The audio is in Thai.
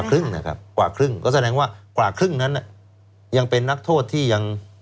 ครึ่งนะครับกว่าครึ่งก็แสดงว่ากว่าครึ่งนั้นยังเป็นนักโทษที่ยัง